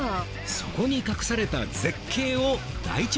そこに隠された絶景を大調査します！